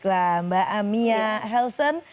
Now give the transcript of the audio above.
terima kasih mbak mia helsen